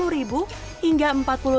harganya bervariasi mulai dari sepuluh rupiah